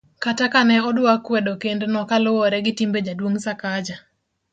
kata kane odwa kwedo kend no kaluwore gi timbe jaduong' Sakaja